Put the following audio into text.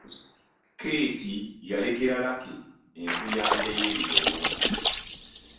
Keeti yalekera Lucky enkuyanja y’ebirowoozo.